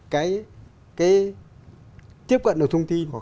cái tiếp cận được thông tin